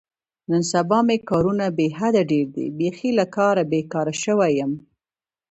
نن سبا مې کارونه بې حده ډېر دي، بیخي له کاره بېگاره شوی یم.